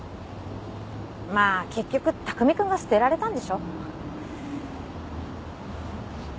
まあ結局巧君が捨てられたんでしょ。